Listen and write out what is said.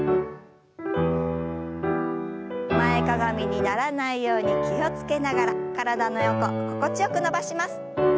前かがみにならないように気を付けながら体の横心地よく伸ばします。